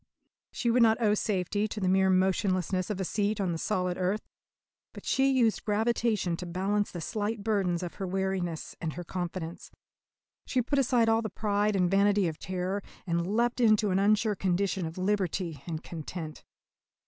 She would not owe safety to the mere motionlessness of a seat on the solid earth, but she used gravitation to balance the slight burdens of her wariness and her confidence. She put aside all the pride and vanity of terror, and leapt into an unsure condition of liberty and content.